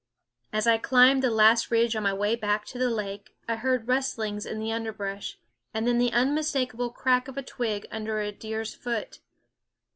As I climbed the last ridge on my way back to the lake, I heard rustlings in the underbrush, and then the unmistakable crack of a twig under a deer's foot.